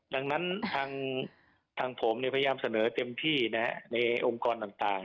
ดังนั้นทางผมพยายามเสนอเต็มที่ในองค์กรต่าง